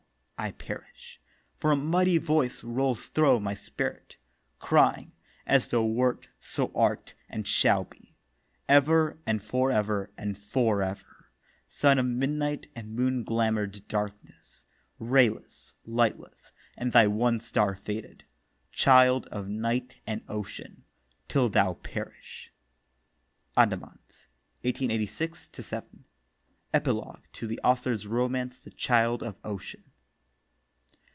I perish. For a mighty Voice rolls thro' my Spirit, Crying, As thou wert, so art, and shalt be, Ever and for ever and for ever, Son of Midnight and moon glamour'd Darkness, Rayless, lightless, and thy One Star faded, Child of Night and Ocean, till thou perish. Andamans, 1886 7. Epilogue to the author's romance The Child of Ocean.